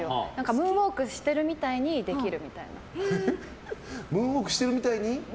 ムーンウォークしてるみたいにできる？